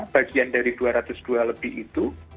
bagian dari dua ratus dua lebih itu